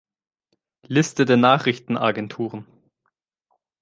Liste der Nachrichtenagenturen